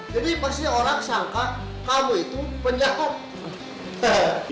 jadi pasti orang sangka kamu itu penyakit